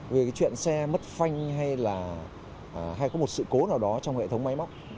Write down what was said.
về cái chuyện xe mất phanh hay là hay có một sự cố nào đó trong hệ thống máy móc